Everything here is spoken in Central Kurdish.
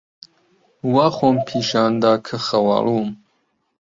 وا خۆم پیشان دا کە خەواڵووم.